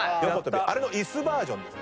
あれのイスバージョンです。